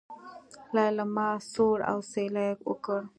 ليلما سوړ اسوېلی وکړ.